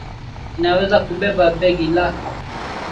Ninaweza kubeba begi lako.